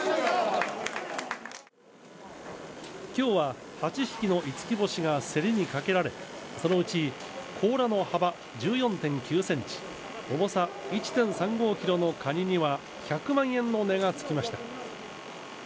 きょうは８匹の五輝星が競りにかけられ、そのうち甲羅の幅１４．９センチ、重さ１．３５キロのカニには、１００万円の値がつきました。